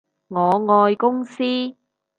我愛公司